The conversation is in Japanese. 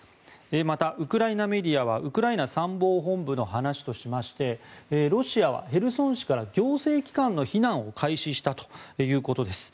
また、ウクライナメディアはウクライナ参謀本部の話としましてロシアはヘルソン市から行政機関の避難を開始したということです。